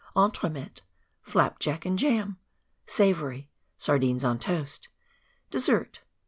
Entremets. Elap Jack and Jam. Savotiey. Sardines on Toast. Desseet.